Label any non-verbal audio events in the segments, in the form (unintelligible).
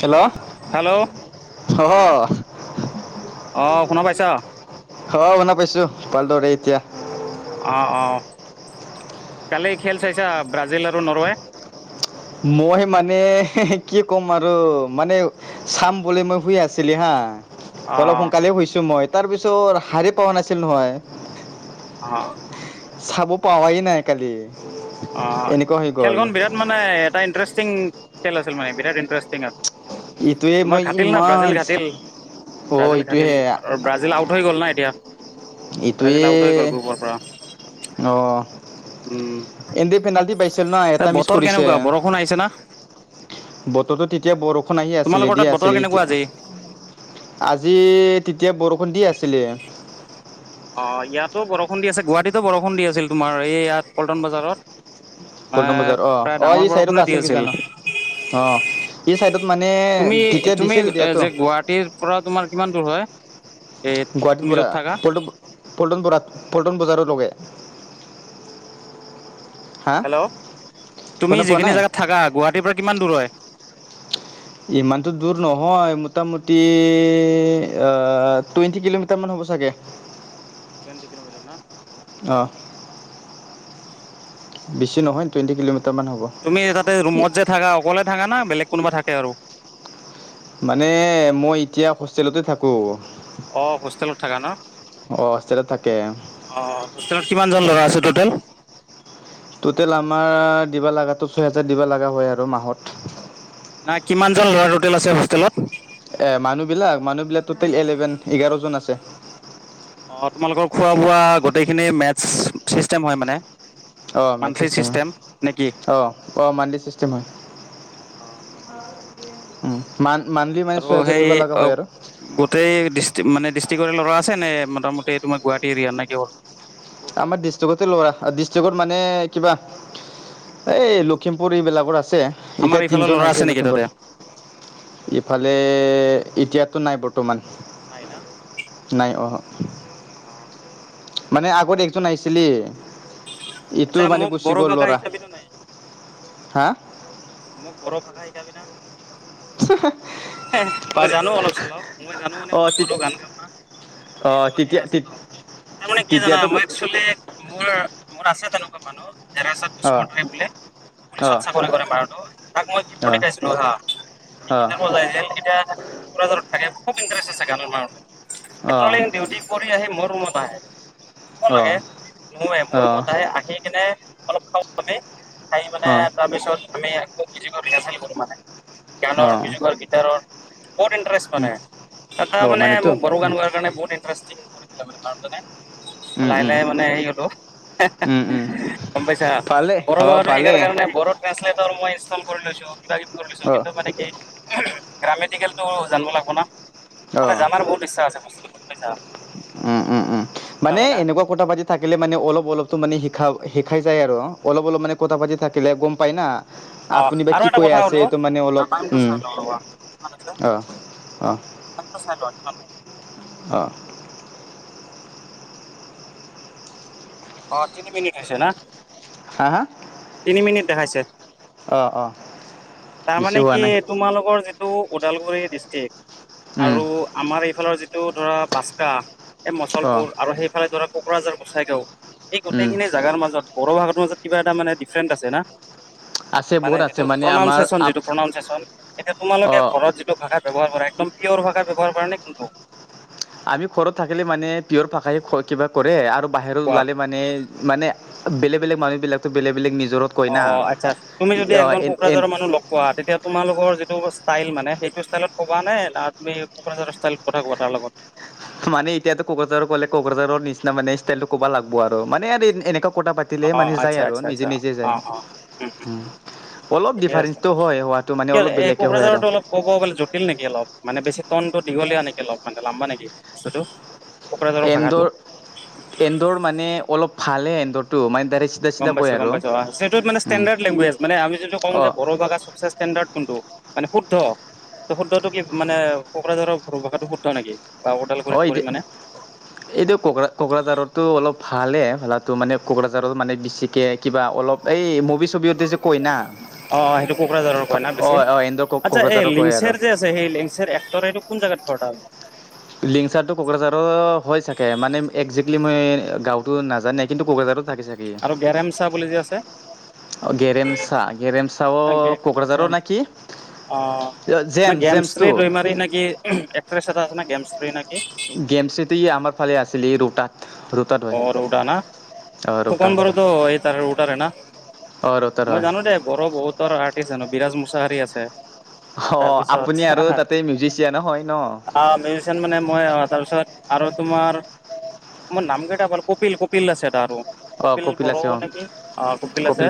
Hello hello অ'। অ' শুনা পাইছা? অহ', শুনা পাইছো ভালদৰে এতিয়া। অঁ-অঁ। কালি খেল চাইছা ব্ৰাজিল আৰু নৰৱে? মই মানে কি ক'ম আৰু মানে চাম বুলি মই শুই আ- ছিলো হাঁ, অ অলপ সোনকালে শুইছো মই। তাৰপিছত সাৰে পোৱা নাছিলো নহয়। অঁহ। চাব পাৱাই নাই কালি এনেকুৱা হৈ গ'ল। নাই, এটা ইণ্টাৰেষ্টিং খেল আছিল মানে বিৰাট ইণ্টাৰেষ্টিং আৰু। ইটোৱে মই তোমাৰ খাটিল না ইমান ব্ৰাজিল খাটিল। অ ব্ৰাজিল খাটিল ইটোহে আৰু ব্ৰাজিল আউট হৈ গ'ল না এতিয়া। ব্ৰাজিল এইটোৱে, আউট হৈ গ'ল গ্ৰুপৰ পৰা অহ', উম এন দি পেনাল্টি পাইছিল ন' এটা মিছ কৰিছে। ফোন আহিছে না। বতৰটো তেতিয়া বৰষুণ আহি আছিলে, তোমালোকৰ দি তাত বতৰ আছিলে। কেনেকুৱা এতিয়া আজি আজি তেতিয়া বৰষুণ দি আছিলে। অঁ', ইয়াতো বৰষুণ দি আছে, গুৱাহাটীতো বৰষুণ দি আছিল তোমাৰ এই ইয়াত পল্টন বজাৰত। মানে পল্টম বজাৰ অহ', প্ৰায় - অ ডাঙৰ 'এই চাইডত বৰষুণে দি আছিল কি জানো। অঁ', - এই ছাইডত মানে তেতিয়া দিছিল দিয়াটো। তাৰ পৰা তোমাৰ কিমান দূৰ হয়। এ গুৱাহাটী তুমি পৰা য'ত থাকা? পল্ট- পল্ট-পল্টন বজাৰৰ লৈকে। হেল্ল' তুমি পোৱা যিখিনি নাই জেগাত থাকা গুৱাহাটীৰ পৰা কিমান দূৰ হয়? ইমানটো দূৰ নহয়, মোটামুটি আঁহ- টুৱেণ্টী কিলোমিটাৰ মান হ'ব ছাগে। টুৱেণ্টি কিলোমিটাৰ ন। অহ। বেছি নহয়, টুৱেণ্টি কিলোমিটাৰ মান হ'ব। তুমি তা'তে ৰুমত যে থাকা অকলে থাকা না বেলেগ কোনোবা থাকে আৰু? মানে মই এতিয়া হোষ্টেলতে থাকো। অ' হোষ্টেলত থাকা ন? অ' হোষ্টেলত থাকে। অ' হোষ্টেলত কিমান জন ল'ৰা আছে টোটেল? টোটেল আমাৰ দিব লগাটো ছয় হেজাৰ দিব লগা হয় আৰু মাহত। নাই কিমানজন ল'ৰা টোটেল আছে হোষ্টেলত? এ' মানুহ বিলাক, মানুহ বিলাক টোটেল এলেভেন, এঘাৰজন আছে। অ' তোমালোকৰ খোৱা-বোৱা গোটেইখিনি মেটচ চিষ্টেম হয় মানে? অঁ', মেথচ মান্থলি চিষ্টটেম হয়, চিষ্টেম নে কি? অঁহ', - অঁহ', মান্থলি চষ্টটেম হয়। উম। মান্থলি মানে আৰু ছয় হাজাৰ সেই দিব লগা অ' হয় আৰু। গোটেই ডিষ্টক মানে ডিষ্ট্ৰিক্টৰে ল'ৰা আছে নে মোটামুটি তোমাৰ গুৱাহাটী এৰিয়াৰ নেকি কিহৰ? আমাৰ ডিষ্টিক- ৰে ল'ৰা। ডিষ্ট্ৰিকটৰ মানে কিবা এই লখিমপুৰ এইবিলাকৰ আছে। এতিয়া এইফালৰ তিনজন ল'ৰা আছে আহিছে নেকি তাতে? লখিমপুৰ। ইফালে এতিয়াতো নাই বৰ্তমান। নাই না নাই অহ। অ'। মানে আগত একজন আহিছিলি ইটো আচ্ছা মানে মোক গুচি বড়ো গ'ল ভাষা ল'ৰা। শিকাবি না নাই? হা। মোক বড় ভাষা শিকাবি না। (unintelligible) মই পাৰে জানো অলপ চলপ মই জানো মানে অঁ মই বড়ো গান গাওঁনা। বে' অঁ জোখত দিয়া তেতিয়া আছে টো, তাৰ মানে কি জানা তেতিয়াতো মই। তেনে মোৰ মোৰ আছে তেনেকুৱা মানুহ। (unintelligible) অঁ বোলে পুলিচত অঁ চাকৰি কৰে পাৰ। ত তাক মই কি (unintelligible) অঁ শিকাইছিলো জানা সি অঁ অঁ কিতাপৰ। (unintelligible) কোকৰাঝাৰত থাকে খুব ইণ্টাৰেষ্ট আছে গানৰ ম (unintelligible) পেট্ৰলিং ডিউটি। কৰি আহি মোৰ ৰুমত আহে ক অঁ লাগে নাই মোৰ অঁ মত আহে আহি। কিনে অলপ খাওঁ মানি খাই মানে তাৰ পিছত। আমি মিউজিকৰ ৰিহাৰ্চেল কৰো মানে অঁ গানৰ অঁ মিউজিকৰ গিটাৰৰ বহুত ইণ্টাৰে। (inaudible) তাৰপৰা অ', মানে মানুহটো মোক বড়ো গান গোৱা কাৰণে বহুত ইণ্টাৰেষ্ট কৰি দিলে মানে। উম, লাহে উম, লাহে মানে হেৰি হলো। উম, উম, গম পাইছা ভালে বড়ো অ', ভাষাটো ভালে শিকাৰ কাৰণে বড়ো। মই কৰি লৈছো কিব কিবি কৰি লৈছো অ', কিন্তু মানে হেই। গ্ৰামেটিকেল টো জানিব লাগিব না মানে জনাৰ বহুত ইচ্ছা আছে বস্তুটো বুজি পাইছা। অ অ অ মানে কথা এনেকুৱা। কোটা পাতি থাকিলে মানে অলপ অলপতো মানে শিখা শিখাই যায় আৰু অলপ অলপ মানে কোটা পাতি থাকিলে গম পায় না। অ আপুনি বা আৰু কি এটা কৈ কথা আছে সুধো এইটো মানে অলপ টাইমটো উম চাই লওঁ ৰবা অ। অ'। তৰপা চাই লোৱা কিমান হ'ল। অঁ। অঁ তিনি মিনিট হৈছে না। হা হা। তিনি মিনিট দেখাইছে অ', অ', বেছি তাৰমানে হোৱা কি। নাই তোমালোকৰ যিটো ওদালগুৰি ডিষ্ট্ৰিক্ট উম, আৰু। আমাৰ এইফালৰ যিটো ধৰা বছকা এই অ', মুচলপুৰ আৰু সেইফালে ধৰা। কোকৰাঝাৰ বঙাইগাঁও এই উম, গোটেইখিনি জাগাৰ মাজত বড়ো ভাষাৰ মাজত কিবা এটা মানে ডিফাৰেন্ট আছে না। আছে মানে বহুত আছে যিটো আমাৰ প্ৰনাউনচিয়েচন যিটো প্ৰনাউনচিয়েচন এতিয়া তোমালোকে অ', ঘৰত যিটো। ভাষা ব্যৱহাৰ কৰা একদম পিয়ৰ ভাষা ব্যৱহাৰ কৰা নে কোনটো। আমি ঘৰত থাকিলে মানে পিয়ৰ ভাষায়ে কিবা কৰে আৰু বাহিৰত কোৱা ওলালে। মানে মানে বেলেগ বেলেগ মানুহ বিলাকো বেলেগ বেলেগ নিজৰত। কয় অ না আচ্ছা তুমি যদি অ' এজন এন এন কোকৰাঝাৰৰ মানুহ লগ। কোৱা তেতিয়া তোমালোকৰ যিটো ষ্টাইল মানে সেইটো ষ্টাইলত ক'বা নে না তুমি কোকৰাঝাৰ ষ্টাইলত কথা কবা তাৰ লগত। মানে এতিয়াতো কোকৰাঝাৰৰ ক'লে কোকৰাঝাৰৰ নিচিনা মানে ষ্টাইলটো ক'ব লাগব আৰু মানে এনেকা কটা পাত। অ টিলেহে মানে যায় আচ্ছা আৰু আচ্ছা আচ্ছা নিজে নিজে যায় অ অ উম। অলপ ঠিকে আছে। ডিফাৰেন্ঞ্চটো হয় হোৱাটো মানে কিয় অলপ এই বেলেকে হয় আৰু। কোকৰাঝাৰতো অলপ ক'ব গলে জটিল নেকি অলপ মানে বেছি টনটো দীঘলীয়া নেকি অলপ লাম্বা নেকি বস্তুটো। কোকৰাঝাৰৰ ভাষাটো এন্দৰ এন্দৰ মানে অলপ ভালে এন্দৰটো মানে দাৰেছ। গম পাইছো গম পাইছো আহ সেইটো মানে ষ্টেণ্ডাৰ্ডট লেংগুৱেজ মানে আমি যদি কওঁ যে অঁ বড়ো ভাষাৰ চবচে ষ্টেণ্ডাৰড। কোনটো মানে শুদ্ধ ত শুদ্ধটো কি মানে কোকৰাঝাৰৰ বড়ো ভাষাটো শুদ্ধ নেকি। বা ওডালগুৰিত অঁ পৰি এতিয়া মানে এইটো কোকৰা- কোকৰাঝাৰতো, অলপ ভালে ভালটো মানে কোকৰাঝাৰত মানে বেছিকে কিবা অলপ এই মুভি, চবতে কইনা। অ সেইটো কোকৰাঝাৰৰ কয় না অ অ ইন্দুৰ কোকৰাঝাৰো কয় আৰু লিংচাৰ এক্টৰ এইটো কোন জাগাত ঘৰ তাৰ লিংচাৰটো কোকৰাঝাৰৰ হৈ চাগে মানে একজেক্টলি মই গাঁৱটো নাজানে কিন্তু কোকৰাঝাৰত থাকে ছাগে সি আৰু গেৰেমচা বুলি যে আছে। গেৰেমচা গৰেমচাও কোকৰাঝাৰৰ নোকি? অ নে গেমশ্ৰী, দৈমাৰী নেকি এক্ট্ৰেছ এটা আছে নে গেমশ্ৰী নেকি? গেমশ্ৰীটো আমাৰ ফালে আছিলে এই ৰৌওটা। অ ৰৌউটা না ফুকন বাড়োতো এই তাৰে ৰৌওটাৰে না। অঁ ৰোটাত মই হয় জানো দেই বড়োৰ বহুতৰ আৰ্টিষ্ট জানো বিৰাজ মছাহাৰী আছে। অ তাৰপিছত আপুনি আৰু তাতে মিউজিচিয়ানে, হয় ন। অ মিছ মানে মই আহ তাৰপিছত আৰু তোমাৰ মোৰ নামেই কপিল কপিল, আছে তাৰ আৰু অঁ কপিল বড়ো, আছে অঁ নেকি অ কপিল আছে।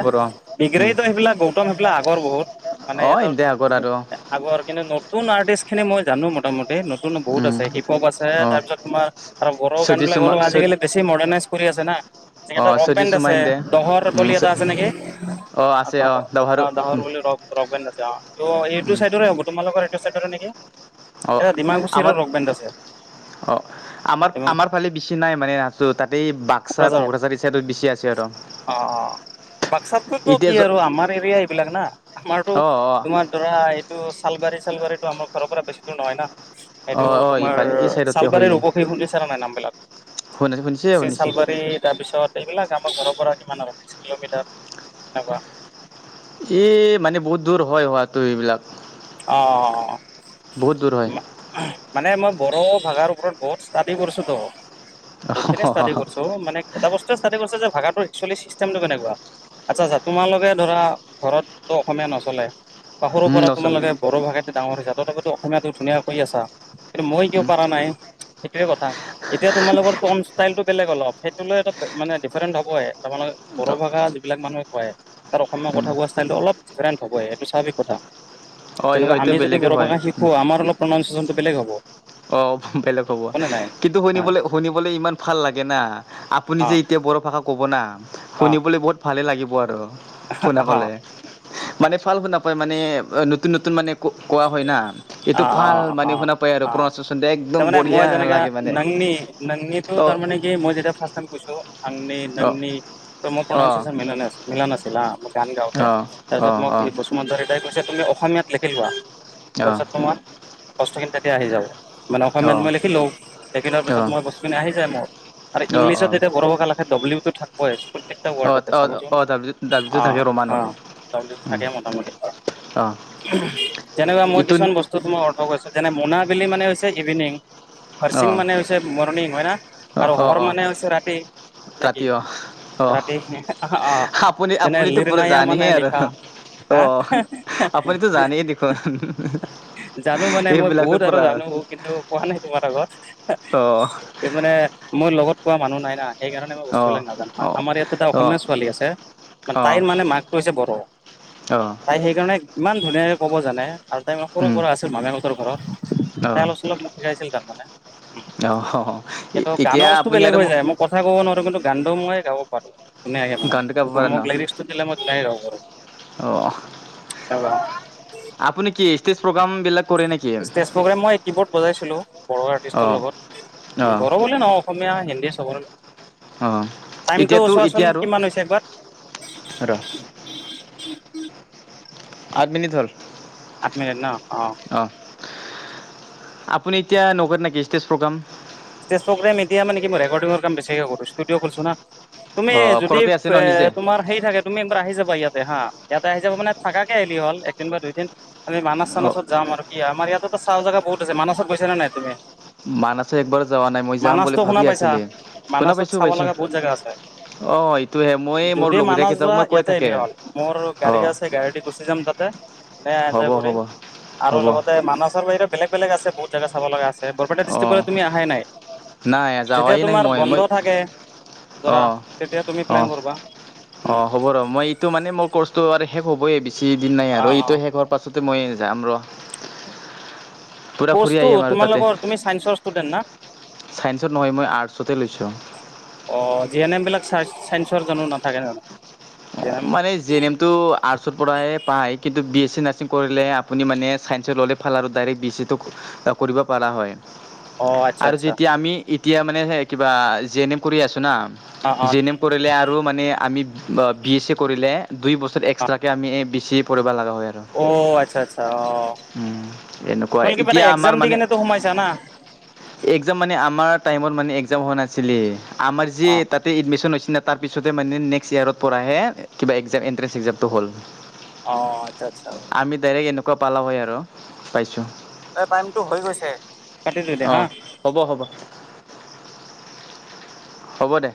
উম ডিগ্ৰীতো সেইবিলাক গৌতম সেইবিলাক আগৰ বহুত মানে অ ইহঁতৰ এন্তে আগৰ আৰু আগৰ কিন্তু নতুন আৰ্টিষ্ট খিনি মই জানো মোটামুটি। ন বহুত উম আছে হিপ হপ আছোৰ অ পিছত তোমাৰ আৰু বড়ো গান চজি বিলাক চুমা অলপ চ আজিকালি। মডাৰাইজ কৰি আছে না। অ ৰ চজি বেণ্ড চুমা আছে এন্তে দহৰ উম বুলি এটা আছে নেকি? অ দহৰ অ দহৰ বুলিও ৰ ৰক বেণ্ড আছে অ ত এইটো চাইডৰে হ'ব তোমালোকৰ সেইটো চৰাইবোৰো নেকি? অ এটা ডিমাকুচিৰো আমাৰ ৰক বেণ্ড আছে অ আমাৰ ডিমা আমাৰ ফালে বেছি নাই মানে আছে তাতেই বাক্সা কোকৰাঝাৰত কোকৰাঝাৰ, সেই চাইডত বেছি আছে আৰু বাক্সাততো এতিয়া কি য আৰু আমাৰ এৰিয়া এইবিলাক না আমাৰতো অ অ তোমাৰ ধৰা। এইটো চালবাৰী, চালবাৰী টো আমাৰ ঘৰৰ পৰা বছি দূৰ নহয় না। অ এইটো অ তোমাৰ ইফালে এই চালবাৰীৰ অৱশেষ সুধিছা নে নাই নাম বিলাক হয় ন শুনি কুচি শুনিছে চালবাৰী তাৰপিছত এইবিলাক আমাৰ ঘৰৰ পৰা কিমান আৰু বিশ কিলোমিটাৰ এনেকুৱা। এই মানে বহুত দূৰ হয় হোৱাটো এইবিলাক- অ বহুত দূৰ হয় মানে মই বড়ো, ভাষাৰ ওপৰত বহুত ষ্টাডি কৰিছোতো ব ষ্ট কৰিছো মানে এটা বস্তুৱে কৰিো যে ভাষাটো চিষ্টটো কেনেকুৱা আচ্ছা আচ্ছা তোমালোকে ধৰা ঘৰতো অসমীয়া নচলে। সৰুৰ উম পৰা নচলে তোমালোকে ব়ো ভাষাতে ডাঙৰ হৈ হৈছে তথাপিতো অসমীয়াটো ধুনীয়া কৈ আছা। কিন্তু মই কিয় পৰা নাই সেইটোৱে কথা। এতিয়া তোমালোকৰ টন ষ্টাইলটো বেলেগ অলপ সেইটো লৈ মানে ডিফাৰেন্ট হ'বয়ে তোমাৰ অ বোড়ো ভাষা যিবিলাক মানুহে কয় তাৰ অসমীয়া কথা কোৱা ষ্টাইলটো অলপ ডিফাৰেণ্ট হ'বই এইটো স্বাভাৱিক কথা। অ যেনেকা এইটো আমি যদি বেলেগে বড়ো ভাষা হয় শিকো আমাৰ অলপ প্ৰনাউচেচনটো বেলেগ হ'ব। অ বেলেগ হ'ব হয় নে নাই? কিন্তু অ শুনিবলৈ শুনিবলৈ ইমান ভাল লাগে না। আপুনি যে অ এতিয়া বড়ো, ভাষা ক'ব না শুনিবলৈ বহুত ভালেই লাগিব আৰু অ হ শুনাপালে। মানে ভাল শুনা পায় মানে নতুন নতুন মানে। কোৱা হয় না এইটো অ', ভাল অ', মানে অ', শুনা পায়। আৰু অ প্ৰনাউনচিয়েচন একদম তাৰ মানে মই বঢ়িয়া যেনেকে লাগে মানে নাঙনী নাঙনীটো তাৰ অ' মানে - মই যেতিয়া ফাৰ্ষ্ট টাইম কৈছো আঙনি অ' নাঙনি টো অ' অ' প্ৰনাউনচিয়েচনটো মিলা নাই মিলা নাছিল বা গান গাৱতে অ' অ' তাৰপিছত মোক এই অ' বস্ত- হেমন্ত দাদাই কৈছে তুমি অসমীয়াত লিখি লোৱা অ' অ' তাৰপিছত তোমাৰ বস্তুখিনি তাতে আহি যাব মানে অসমীয়াত মই লিখিলও, লিখি লোৱাৰ পিছত মোৰ বস্তুখিনি আহি যায়, মোৰ আৰু অ' অ' ইংলিছত যেতিয়া বড়ো ভাষা লা- সেই ডব্লিউটো থাকবই প্ৰত্যেকটা অ' ৱাৰ্ডতে অ' চাবাচোন অ' দাবলিউ দাবলিউটো অ থাকে ৰোমানত অ ডাব্লিউ টো থাকে মোটামুটি অ' - যেনেকুৱা মই ইটো কিছুমান বস্তু তোমাৰ অৰ্থ কৰিছো যেনে মোনাবেলি মানে হৈছে ইভিনিং। হৰছিং অ' মানে হৈছে মৰ্ণিং হয় না, অ' আৰু অ' হৰ অ' মানে হৈছে ৰাতি। নেকি ৰাতি অ অহ ৰাতি অ' আপুনি যেনে আপুনিতো পুৰা লিৰনায়া মানে জানেই আৰু। লিখা অ হা অ আপুনিতো জানেই দেখোন। জানো মানে মই এইবিলাকতো বহুত আৰু পুৰা জানো কিন্তু কোৱা নাই তোমাৰ আগত। অ। এই মানে মই লগত কোৱা মানুহ নাই না। সেইকাৰণে মই অ বস্তুবিলাক নাজানো, অ আমাৰ ইয়াত টো অ অসমীয়া ছোৱালী আছে অ তাইৰ মানে মাকটো হৈছে বড়ো, অ তাই সেইকাৰণে ইমান ধুনীয়াকৈ ক'ব জানে আৰু তাই মানে সৰুৰ উম পৰা আছে মামেকহঁতৰ ঘৰত, তাই অলপ চলপ মোক শিকাইছিল তাৰ মানে অঁ এতিয়া আপুনি আৰু মো কঁথা ক'ব নোৱাৰোঁ কিন্তু গানটো মইে গাব পাৰোঁ। কোনে আহিব মানে গানটো গাব এইটো পাৰে মোক ন লাগিলে স্কুটি দিলে (unintelligible) অ। (unintelligible) আপুনি কি ষ্টেজ প্ৰগাম বিলাক কৰে নেকি ষ্টেজ প্ৰগ্ৰেম মই কিবৰ্ড বজাইছিলো, বড়ো অ আৰ্টিষ্টৰ অ লগত। বড়ো বুলি নহক অসমীয়া হিন্দী চবৰে অ লগ। টাইমটো এতিয়াতো এতিয়া চোৱাচোন আৰু কিমান হৈছে একবাৰ। ৰ আঠ মিনিট হ'ল। আঠ মিনিট ন, অ'। অ। আপুনি এতিয়া নগত নেকি ষ্টেজ প্ৰগ্ৰাম? ষ্টেজ প্ৰগ্ৰেম এতিয়া মানে কি মই ৰেকৰ্ডিংৰ কাম বেছিকে কৰো ষ্টুডঅ' খুলিছো না তুমি অ যদি ঘৰতে আছে ন এ, নিজে তোমাৰ সেই থাকে তুমি এবাৰ আহি যাবা ইয়াতে হা, ইয়াতে আহি যাবা মানে থাকা কে আহিলে হল, একদিন বা দুইদিন। আমি মানা অ চানাচত যাম আৰু কি আমাৰ ইয়াততো চাৱা জাগা বহুত আছে। মানচত গৈছা নে নাই তুমি? মানাছো একবাৰ যোৱা নাই মই যাম বুলি মানচটো শুনা ভাবি পাইছা আছিলি শুনা মানাছত পাইছো চাব পাইছো লগা বহুত জাগা আছে। অ এইটোহে মই মোৰ যদি লগৰীয়া মানছ কেইটাক যোৱা মই কৈ ইয়াতে থাকে আহিলে হ'ল, মোৰ অ গাড়ীও আছে গাড়ী দি গুচি যাম তাতে। ধুনীয়া হ'ব ইনজয় কৰিম হ'ব আৰু হ'ব লগতে মানছৰ বাহিৰে বেলেগ-বেলেগ আছে বহুত জাগা চাব লগা আছে। বৰপেটা অ ডিষ্টিকলে তুমি আহাই নাই। নাই যেতিয়া যাৱাই নাই তোমাৰ মই। বন্ধ মই, থাকে ধৰা অ', তেতিয়া তুমি অ প্লেন কৰবা। অ', হ'ব ৰ, মই এইটো মানে মোৰ কৰ্চটো আৰ শেষ হ'বইয়ে বেছি দিন নাই অ অ আৰু এইটো শেষ হোৱাৰ পাছতে মই জাম ৰ পূৰা ঘূৰি ক'ৰ্চটো আহিম তোমালোকৰ তুমি চাইঞ্চৰ ষ্টুডেণ্ট না চায়েঞ্চৰ নহয় মই আৰ্টচতে লৈছো অ', জি এন এম বিলাক চা-ছাইঞ্চৰ জানো নাথাকে জানো? জি এন এম মানে জে এন এমটো আৰ্ট- ছৰ পৰাই পায়, কিন্তু বি এছ চি নাৰ্ছিং কৰিলে আপুনি মানে চায়েঞ্চত ল'লে ভাল আৰু ডাইৰেক্ট বি চিটো চব কৰিব পাৰা হয় অ আচ্ছা আৰু আচ্ছা যেতিয়া আমি এতিয়া মানে হে কিবা জি এন এম কৰি আছো না। অ অ জি এন এম কৰিলে আৰু মানে আমি ব বি এছ এফ কৰিলে দুই বছৰ অ এক্সট্ৰাকে আমি এই বি চি এ পঢ়িব লগা হয় আৰু অ আচ্ছা-আচ্ছা অ উম, এনেকুৱা তোমালোকে কিবা এটা এতিয়া একজাম দি কেনেতো সোমাইছা না? একজাম মানে আমাৰ টাইমত মানে একজাম হোৱা নাছিলে, আমাৰ যি অ এ তাত তে এডমিশ্যন হৈছে নে তাৰ পিছতে মানে নেক্সট ইয়েৰৰ পৰাহে কিবা একজাম এণ্ট্ৰেঞ্চ একজামটো হ'ল। অ', আচ্ছা আচ্ছা। আমি ডাইৰেক্ট এনেকোৱা পালা হয় আৰু পাইছো। এ‌ টাইমতো হৈ গৈছে কাটি দিও দে হা। অঁ হব হব। হ'ব দে।